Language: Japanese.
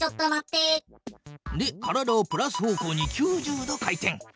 で体をプラス方向に９０度回転。